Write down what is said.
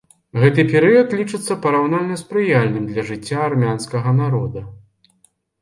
Гэты перыяд лічыцца параўнальна спрыяльным для жыцця армянскага народа.